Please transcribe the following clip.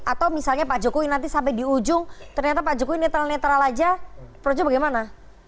atau misalnya pak jokowi nanti sampai di ujung ternyata pak jokowi netral netral aja projo bagaimana